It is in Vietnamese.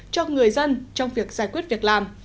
cho người dân trong việc giải quyết việc làm